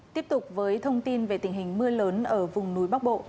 tiếp tục với thông tin về tình hình mưa lớn ở vùng núi bắc bộ